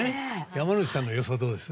山之内さんの予想どうです？